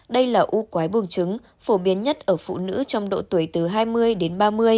đây là u quái buồn trứng phổ biến nhất ở phụ nữ trong độ tuổi từ hai mươi đến ba mươi